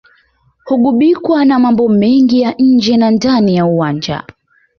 hugubikwa na mambo mengi ya nje na ndani ya uwanja